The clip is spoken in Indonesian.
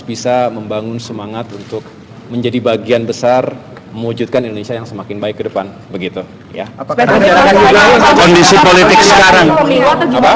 sebenarnya bisaa bangun semangat menjadi bagian besar untuk mewujudkan hierarki indonesia luas jatentris yang ke depandu semakin baik